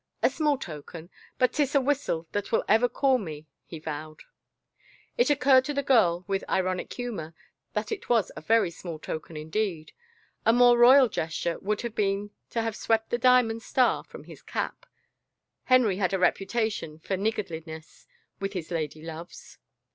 " A small token — but 'tis a whistle that will ever call me," he vowed.^ Jt occurred to the girl, with ironic humor, that it was a very small token indeed; a more royal gesture would have been to have swept the diamond star from his cap. Henry had a reputation for niggardliness with his lady loves.